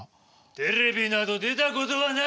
テレビなど出たことはない！